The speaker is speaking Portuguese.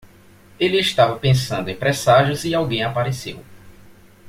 Ele estava pensando em presságios e alguém apareceu.